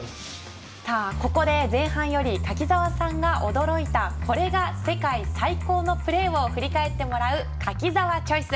ここで前半より柿澤さんが驚いた「これが世界最高のプレー」を振り返ってもらう「柿澤Ｃｈｏｉｃｅ」。